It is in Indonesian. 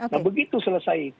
nah begitu selesai